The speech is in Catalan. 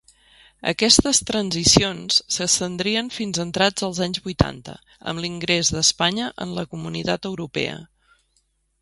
Aquestes transicions s'estendrien fins entrats els anys vuitanta, amb l'ingrés d'Espanya en la Comunitat Europea.